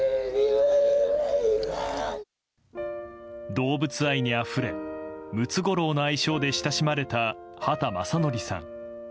動物愛にあふれムツゴロウの愛称で親しまれた畑正憲さん。